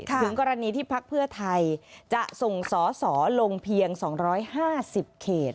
ถึงกรณีที่พักเพื่อไทยจะส่งสอสอลงเพียง๒๕๐เขต